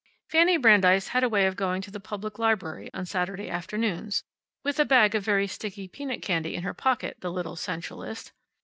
Fanny Brandeis had a way of going to the public library on Saturday afternoons (with a bag of very sticky peanut candy in her pocket, the little sensualist!)